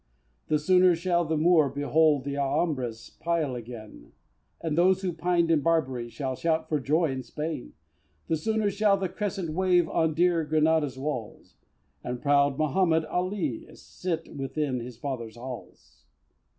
The sooner shall the Moor behold Th' Alhambra's pile again; And those who pined in Barbary Shall shout for joy in Spain The sooner shall the Crescent wave On dear Granada's walls: And proud Mohammed Ali sit Within his fathers halls!